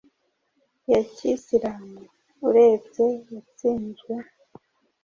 ya kisilamu, urebye yatsinzwe.